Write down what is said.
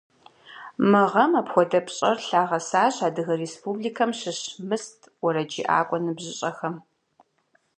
Мы гъэм апхуэдэ пщӏэр лъагъэсащ Адыгэ Республикэм щыщ «Мыст» уэрэджыӏакӏуэ ныбжьыщӏэхэм.